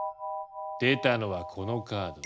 出たのはこのカード。